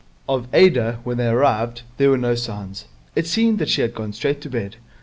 Of Ada, when they arrived, there were no signs. It seemed that she had gone straight to bed.